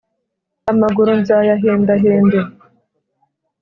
amaguru nzayahendahende